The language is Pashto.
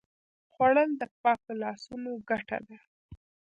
خوړل د پاکو لاسونو ګټه ده